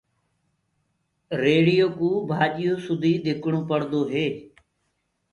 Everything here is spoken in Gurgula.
ريڙهيو ڪوُ ڀآڃيو سُدي ڌڪڻو پڙدو هي۔